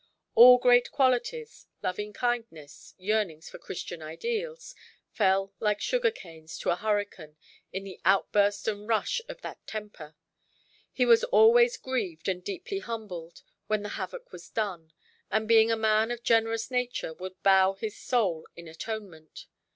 All great qualities, loving–kindness, yearnings for Christian ideals, fell like sugar–canes to a hurricane in the outburst and rush of that temper. He was always grieved and deeply humbled, when the havoc was done; and, being a man of generous nature, would bow his soul in atonement.